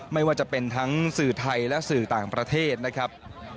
ไม่ว่าจะเป็นทั้งสื่อไทยและสื่อต่างประเทศนะครับ